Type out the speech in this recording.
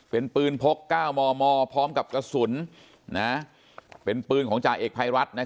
เป็นปืนพก๙มมพร้อมกับกระสุนเป็นปืนของจ่าเอกภัยรัฐ